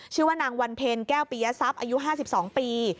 ชื่อว่านางวันเพ็ญแก้วปียทรัพย์อายุ๕๒ปี